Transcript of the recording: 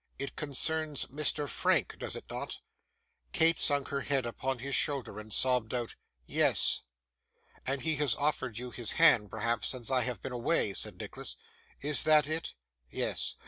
It concerns Mr. Frank, does it not?' Kate sunk her head upon his shoulder, and sobbed out 'Yes.' 'And he has offered you his hand, perhaps, since I have been away,' said Nicholas; 'is that it? Yes.